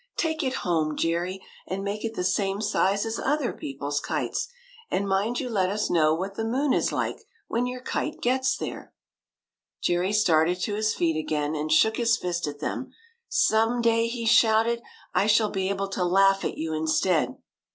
"Take it home, Jerry, and make it the same size as other people's kites ! And mind you let us know what the moon is like, when your kite gets there !" Jerry started to his feet again and shook his WENT TO THE MOON 165 fist at them. " Some day," he shouted, " I shall be able to laugh at you instead."